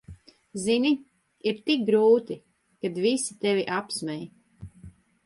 Zini, ir tik grūti, kad visi tevi apsmej.